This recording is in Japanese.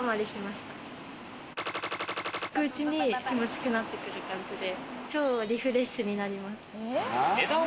していくうちに気持ちよくなってくる感じで超リフレッシュになります。